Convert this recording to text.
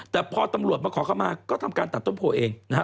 แต่พอตำรวจมาขอเข้ามาก็ทำการตัดต้นโพเองนะฮะ